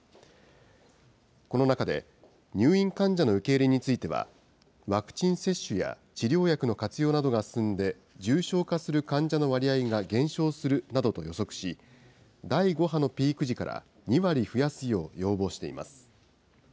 この中で、入院患者の受け入れについては、ワクチン接種や治療薬の活用などが進んで重症化する患者の割合が減少するなどと予測し、第５波のピーク時から２割増やすよう要望しています。